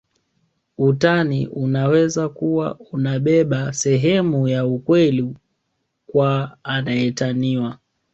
Utani unaweza kuwa unabeba sehemu ya ukweli kwa anaetaniwa